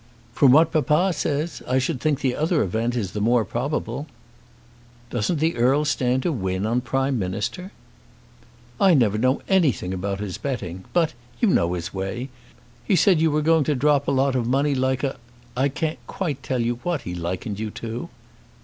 "From what papa says, I should think the other event is the more probable." "Doesn't the Earl stand to win on Prime Minister?" "I never know anything about his betting. But, you know his way, he said you were going to drop a lot of money like a I can't quite tell you what he likened you to."